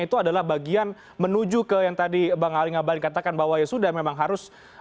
itu adalah bagian menuju ke yang tadi bang ali ngabalin katakan bahwa ya sudah memang harus